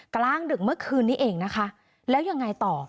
กลางดึกเมื่อคืนนี้เองนะคะแล้วยังไงต่อ